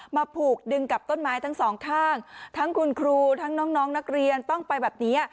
ผูกดึงกับต้นไม้ทั้งสองข้างทั้งคุณครูทั้งน้องนักเรียนต้องไปแบบนี้